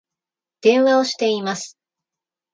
電話をしています